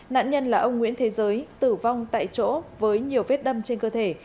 nạn nhân là ông nguyễn thế giới tử vong tại chỗ với nhiều vết đâm trên cơ thể